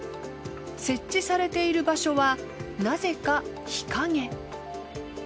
設置されている場所はなぜか日陰。